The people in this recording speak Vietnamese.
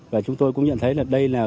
và chúng tôi cũng nhận thấy là đây là